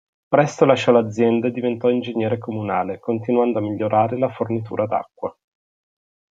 Presto lasciò l'azienda e diventò ingegnere comunale, continuando a migliorare la fornitura d'acqua.